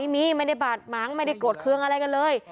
ไม่ได้บาดหมางไม่ได้โกรธเครื่องอะไรกันเลย